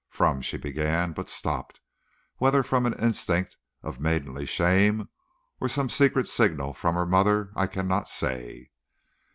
"From " she began, but stopped, whether from an instinct of maidenly shame or some secret signal from her mother, I cannot say.